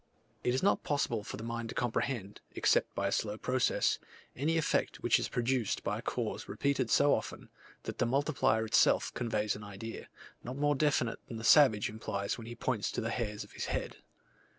It is not possible for the mind to comprehend, except by a slow process, any effect which is produced by a cause repeated so often, that the multiplier itself conveys an idea, not more definite than the savage implies when he points to the hairs of his head.